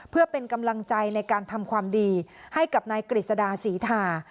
เพื่อเป็นกำลังใจในการทำความดีให้กับนายกฤษดาศรีทา